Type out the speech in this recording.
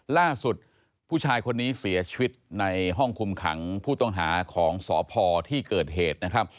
ล่าสุดผู้ชายคนนี้เสียชีวิตในห้องคุมขังผู้ต้องหาของสพที่เกิดเหตุนะครับ